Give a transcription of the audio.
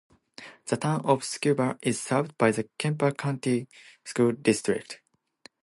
The Town of Scooba is served by the Kemper County School District.